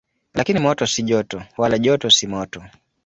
Lakini moto si joto, wala joto si moto.